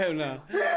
えっ？